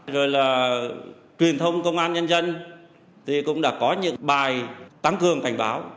rồi là truyền thông công an nhân dân thì cũng đã có những bài tăng cường cảnh báo